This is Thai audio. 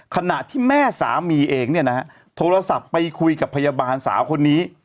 ขณะที่แม่สามีเองเนี่ยนะฮะโทรศัพท์ไปคุยกับพยาบาลสาวคนนี้